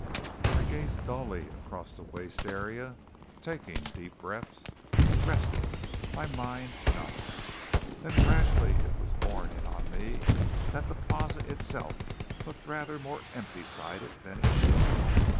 I gazed dully across the waste area, taking deep breaths, resting, my mind numb. Then gradually it was borne in on me that the Plaza itself looked rather more empty sided than it should.